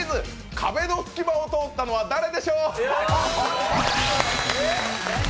壁の隙間を通ったのは誰でしょう？